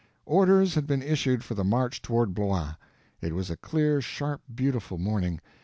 Orders had been issued for the march toward Blois. It was a clear, sharp, beautiful morning.